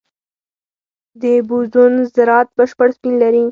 د بوزون ذرات بشپړ سپین لري.